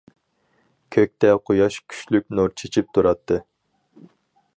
كۆكتە قۇياش كۈچلۈك نۇر چېچىپ تۇراتتى.